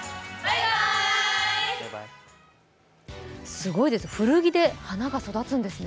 すごいですね、古着で花が育つんですね。